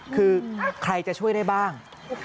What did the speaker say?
คือใครจะช่วยได้บ้าง